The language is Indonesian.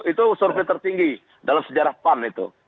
itu survei tertinggi dalam sejarah pan itu